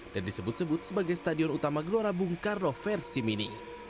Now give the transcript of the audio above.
dan disebut sebut sebagai stadion utama gelora bung karno versi mini